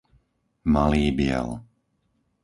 Malý Biel